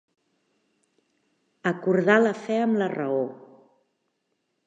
Acordar la fe amb la raó.